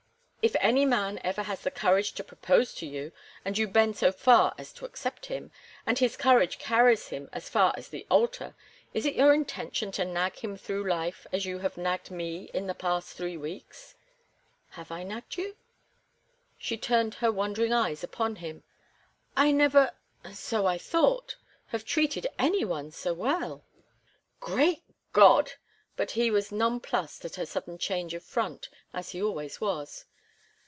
"If any man ever has the courage to propose to you, and you bend so far as to accept him, and his courage carries him as far as the altar, is it your intention to nag him through life as you have nagged me in the past three weeks?" "Have I nagged you?" She turned her wondering eyes upon him. "I never—so I thought—have treated any one so well." "Great God!" But he was nonplussed at her sudden change of front, as he always was.